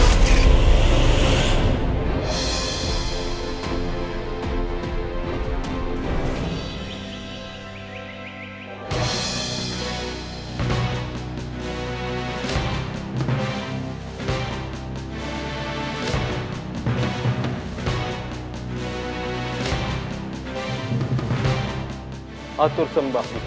assalamualaikum warahmatullahi wabarakatuh